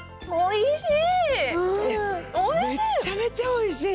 おいしい。